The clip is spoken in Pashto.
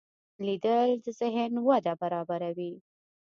لیدل د ذهن وده برابروي